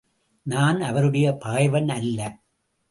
நான் அவருடைய பகைவன் அல்ல.